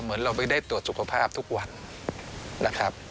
เหมือนเราไม่ได้ตรวจสุขภาพทุกวันนะครับ